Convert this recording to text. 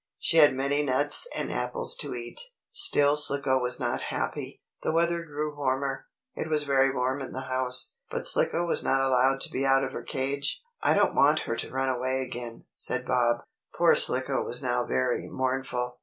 She had many nuts and apples to eat. Still Slicko was not happy. The weather grew warmer. It was very warm in the house, but Slicko was not allowed to be out of her cage. "I don't want her to run away again," said Bob. Poor Slicko was now very mournful.